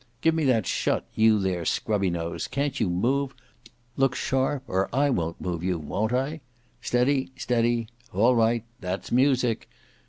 Give me that shut, you there, Scrubbynose, can't you move? Look sharp, or I won't move you, won't I? Steady, steady! All right! That's music.